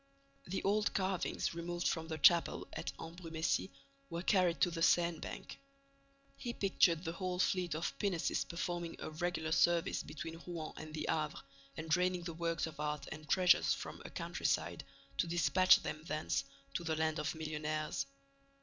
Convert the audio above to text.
The old carvings removed from the chapel at Ambrumésy were carried to the Seine bank. He pictured the whole fleet of pinnaces performing a regular service between Rouen and the Havre and draining the works of art and treasures from a countryside to dispatch them thence to the land of millionaires.